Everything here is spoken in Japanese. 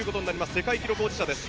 世界記録保持者です。